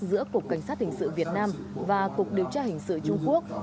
giữa cục cảnh sát hình sự việt nam và cục điều tra hình sự trung quốc